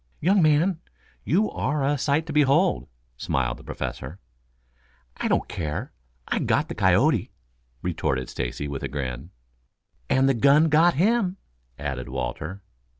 "Young man, you are a sight to behold," smiled the Professor. "I don't care. I got the coyote," retorted Stacy, with a grin. "And the gun got him," added Walter.